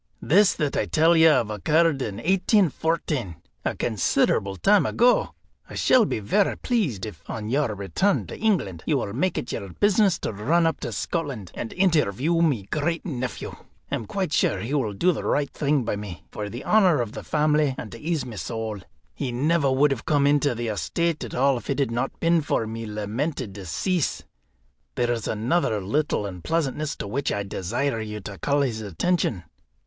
This that I tell you of occurred in 1814, a considerable time ago. I shall be varra pleased if, on your return to England, you will make it your business to run up to Scotland, and interview my great nephew. I am quite sure he will do the right thing by me, for the honour of the family, and to ease my soul. He never would have come into the estate at all if it had not been for my lamented decease. There's another little unpleasantness to which I desire you to call his attention.